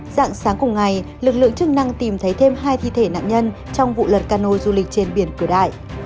dạng sáng cùng ngày lực lượng chức năng tìm thấy thêm hai thi thể nạn nhân trong vụ lật cano du lịch trên biển cửa đại